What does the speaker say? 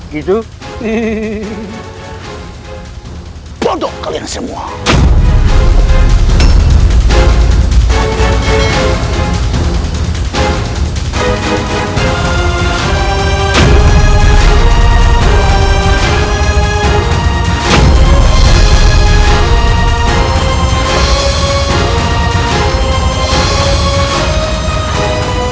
dan semoga kaleng menanggungnya